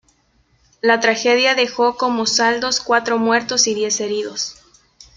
La tragedia dejó como saldos cuatro muertos y diez heridos.